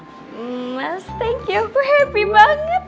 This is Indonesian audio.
mas makasih aku senang banget